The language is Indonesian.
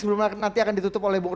sebelum nanti akan ditutup oleh bu rocky